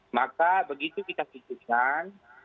maka begitu kita kisahkan